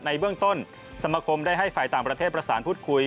เบื้องต้นสมคมได้ให้ฝ่ายต่างประเทศประสานพูดคุย